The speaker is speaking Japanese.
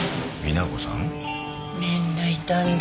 みんないたんだ。